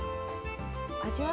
味は？